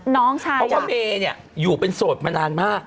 น้องชายอยากเพราะว่าเมย์นี่อยู่เป็นโสดมานานมาก